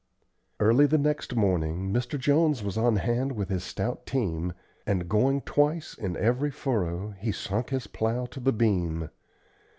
Early the next morning Mr. Jones was on hand with his stout team, and, going twice in every furrow, he sunk his plow to the beam.